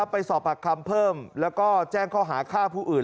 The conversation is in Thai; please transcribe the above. ไปสอบปากคำเพิ่มแล้วก็แจ้งข้อหาฆ่าผู้อื่น